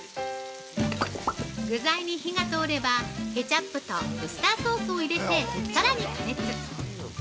具材に火が通れば、ケチャップとウスターソースを入れて、さらに加熱！